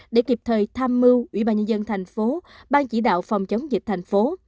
để kịp thời tham mưu ủy ban nhân dân thành phố ban chỉ đạo phòng chống dịch thành phố